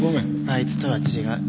あいつとは違う。